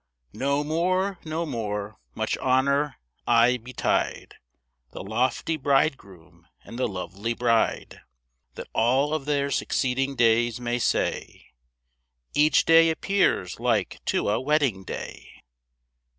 No more, no more, much honour aye betide The lofty bridegroom, and the lovely bride; That all of their succeeding days may say, Each day appears like to a wedding day.